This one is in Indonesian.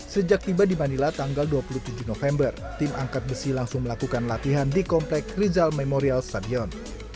sejak tiba di manila tanggal dua puluh tujuh november tim angkat besi langsung melakukan latihan di komplek rizal memorial stadion